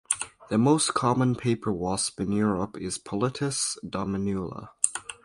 The most common paper wasp in Europe is "Polistes dominula".